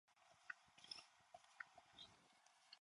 He was then deported to the Ludwigslust camp in Nazi Germany.